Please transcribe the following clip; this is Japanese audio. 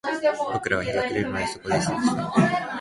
僕らは日が暮れるまでそこで過ごした